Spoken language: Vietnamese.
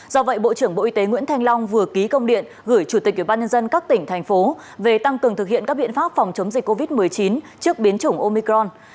do vậy bộ trưởng bộ y tế nguyễn thanh long vừa ký công điện gửi chủ tịch ủy ban nhân dân các tỉnh thành phố về tăng cường thực hiện các biện pháp phòng chống dịch covid một mươi chín trước biến chủng omicron